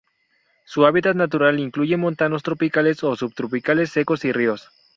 Su hábitat natural incluye montanos tropicales o subtropicales secos y ríos.